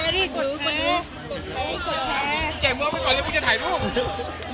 เดรกม่วงไปก่อนแล้วเมื่อกี๊จะถ่ายรูป